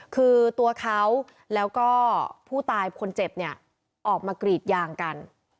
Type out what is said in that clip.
คือตัวเขาแล้วก็ผู้ตายคนเจ็บเนี่ยออกมากรีดยางกัน